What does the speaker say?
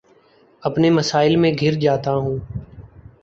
اپنے مسائل میں گھر جاتا ہوں